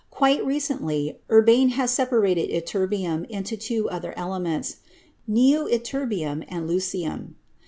Quite recently Urbain has separated ytter bium into two other elements — neoytterbium and lutecium.